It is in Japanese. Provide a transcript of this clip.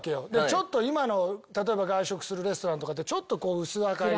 ちょっと今の例えば外食するレストランとかってちょっとこう薄明かり。